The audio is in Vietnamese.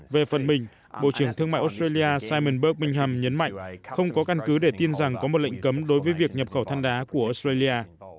về phần mình bộ trưởng thương mại australia symen berk mingham nhấn mạnh không có căn cứ để tin rằng có một lệnh cấm đối với việc nhập khẩu than đá của australia